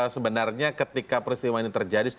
sebenarnya ketika peristiwa ini terjadi